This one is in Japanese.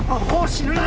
死ぬな。